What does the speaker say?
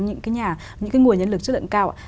những cái nhà những cái ngũ nhân lực chất lượng cao